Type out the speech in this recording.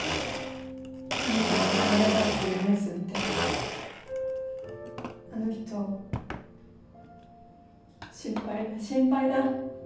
判事が襲われたっていうニュース見てあの人「心配だ心配だ」